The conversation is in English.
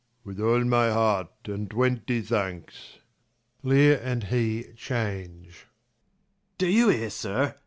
With all my heart, and twenty thanks. QLeir and he change. Second Mar, Do you hear, sir